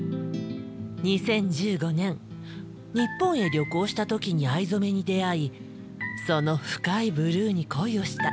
２０１５年日本へ旅行した時に藍染めに出会いその深いブルーに恋をした。